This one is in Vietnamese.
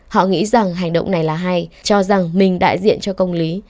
họ nghĩ rằng hành động này là hay cho rằng mình đại diện cho công lý